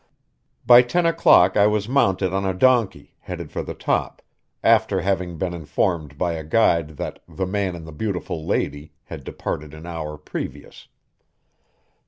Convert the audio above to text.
By ten o'clock I was mounted on a donkey, headed for the top, after having been informed by a guide that "the man and the beautiful lady" had departed an hour previous.